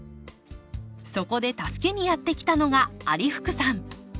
そこで助けにやって来たのが有福さん。